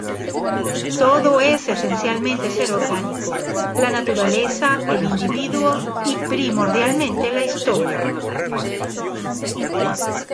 Todo es esencialmente ser "orgánico": la naturaleza, el individuo y, primordialmente, la historia.